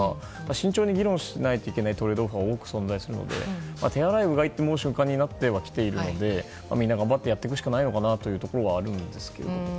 慎重に議論しないといけないことが多く存在するので手洗い・うがいというのは習慣になってきているのでみんな頑張ってやっていくしかないのかなと思ってるところはあるんですけど。